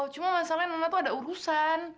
cuma masalahnya memang tuh ada urusan